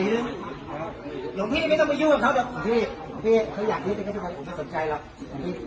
หลวงพี่ไม่ต้องมายู่กับเขาเดี๋ยวหลวงพี่เขาอยากยึดด้วยก็ไม่สนใจหรอก